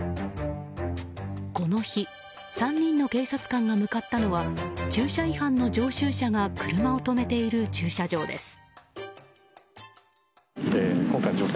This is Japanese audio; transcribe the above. この日３人の警察官が向かったのは駐車違反の常習者が車を止めている駐車場です。